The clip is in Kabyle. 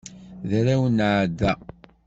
D arraw n Ɛada.